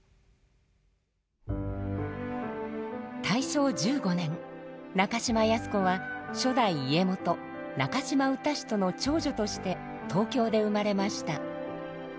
大正１５年中島靖子は初代家元中島雅楽之都の長女として東京で生まれました。